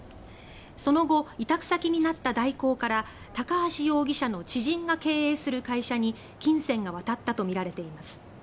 その後、委託先になった大広から高橋容疑者の知人が経営する会社に金銭が渡ったとみられています。